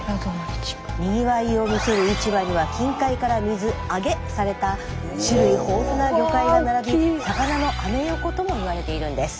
にぎわいを見せる市場には近海から水揚げされた種類豊富な魚介が並び「魚のアメ横」とも言われているんです。